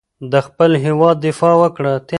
د خپل هېواد دفاع وکړه.